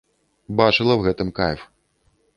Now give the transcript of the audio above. Бачыла ў гэтым кайф.